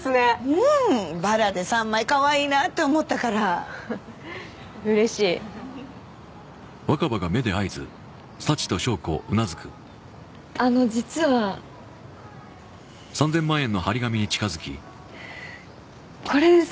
うんバラで３枚かわいいなって思ったからうれしいあの実はこれです